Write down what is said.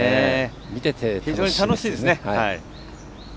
見てて非常に楽しいですね。